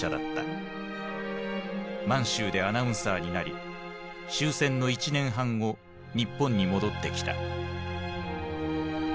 満州でアナウンサーになり終戦の１年半後日本に戻ってきた。